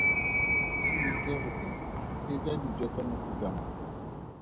Tshenekegi e e ja dijo tsa mofuta mang?